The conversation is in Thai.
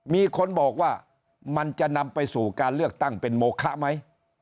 มีคนบอกว่ามันจะนำไปสู่การเลือกตั้งเป็นโมคะไหม